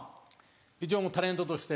一応もうタレントとして。